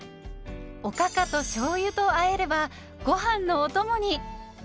おかかとしょうゆとあえればごはんのおともに。